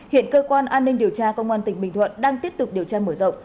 hiện cơ quan an ninh điều tra công an tỉnh bình thuận đang tiếp tục điều tra mở rộng